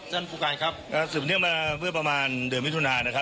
สถานพูดไว้ครับสมภาษณ์ขนาดเมื่อประมาณเดือมวิทุนานะครับ